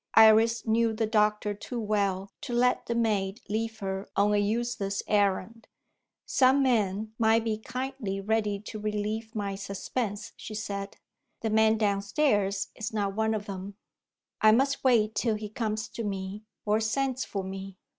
Iris knew the doctor too well to let the maid leave her on a useless errand. "Some men might be kindly ready to relieve my suspense," she said; "the man downstairs is not one of them. I must wait till he comes to me, or sends for me.